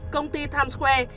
công ty times square